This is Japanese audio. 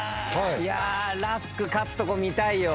ラスク勝つとこ見たいよ。